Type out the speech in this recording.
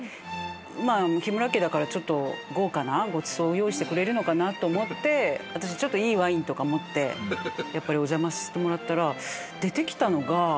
日村家だから豪華なごちそう用意してくれるかと思って私ちょっといいワインとか持ってお邪魔させてもらったら出てきたのが。